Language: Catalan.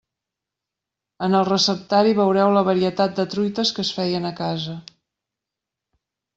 En el receptari veureu la varietat de truites que es feien a casa.